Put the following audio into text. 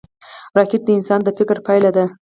راکټ د انسان د فکر پایله ده